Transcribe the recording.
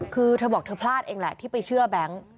คือเธอบอกเธอพลาดเองแหละที่ไปเชื่อแบงค์